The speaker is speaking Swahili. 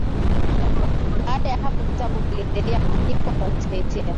Baada ya hapo vitabu viliendelea kuandikwa kwa kutetea